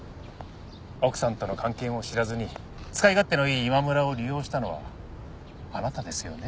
奥さんとの関係も知らずに使い勝手のいい今村を利用したのはあなたですよね？